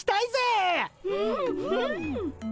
うんうん。